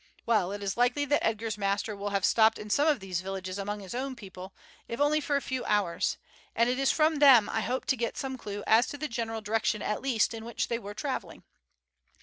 Well, it is likely that Edgar's master will have stopped in some of these villages among his own people, if only for a few hours, and it is from them I hope to get some clue as to the general direction at least in which they were travelling.